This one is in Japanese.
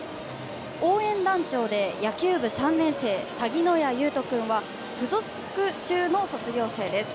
応援団長で野球部３年生さぎのやゆうと君は付属中の卒業生です。